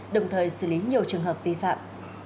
đồng thời xử lý nhiều trường hợp vi phạm